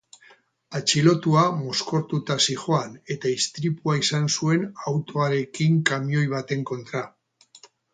Atxilotua mozkortuta zihoan eta istripua izan zuen autoarekin kamioi baten kontra.